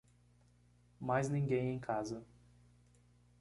Mais ninguém em casa